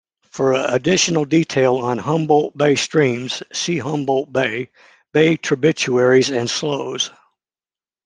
For additional detail on Humboldt Bay streams, see Humboldt Bay: Bay tributaries and sloughs.